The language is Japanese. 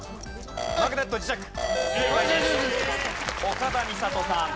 岡田美里さん。